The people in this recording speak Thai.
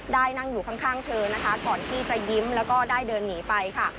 ได้นั่งอยู่ข้างเธอก่อนที่จะยิ้มแล้วก็ได้เดินหนีไป